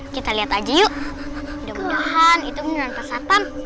kita lihat aja yuk udah mudahan itu beneran pasat pam